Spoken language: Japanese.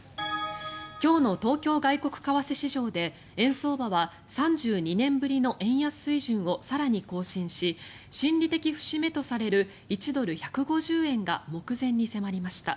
今日の東京外国為替市場で円相場は３２年ぶりの円安水準を更に更新し心理的節目とされる１ドル＝１５０円が目前に迫りました。